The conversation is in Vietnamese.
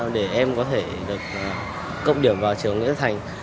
để em có thể được cộng điểm vào trường nghĩa thành